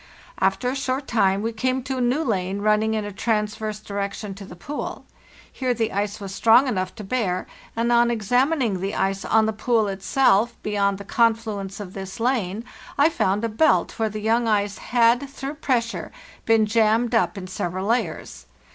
After a short time we came to a new lane running in a transverse di rection to the pool. Here the ice was strong enough to bear, and on examining the ice on the pool itself beyond the confluence of this lane I found a belt where the young ice had, through pressure, been jammed up in several layers.